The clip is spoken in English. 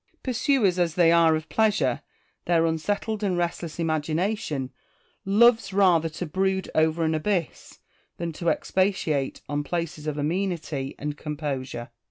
Pursuers as they are of pleasure, their unsettled and restless imagination loves rather to brood over an abyss, than to expatiate on places of amenity and composure.